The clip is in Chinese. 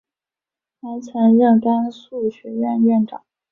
还曾任甘肃学院院长。